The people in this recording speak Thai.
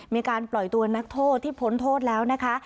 มีการปล่อยตัวนักโทษที่พ้นโทษแล้วนะคะ